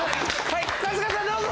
春日さんどうぞ！